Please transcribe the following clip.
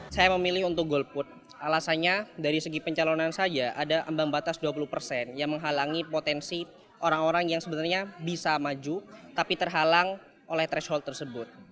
saya memilih untuk golput alasannya dari segi pencalonan saja ada ambang batas dua puluh persen yang menghalangi potensi orang orang yang sebenarnya bisa maju tapi terhalang oleh threshold tersebut